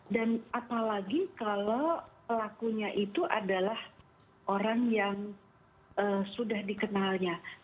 dan apalagi kalau pelakunya itu adalah orang yang sudah dikenalnya